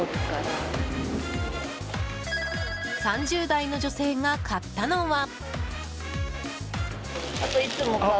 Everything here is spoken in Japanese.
３０代の女性が買ったのは。